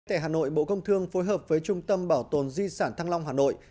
tại hà nội bộ công thương phối hợp với trung tâm bảo tồn di sản thăng long hà nội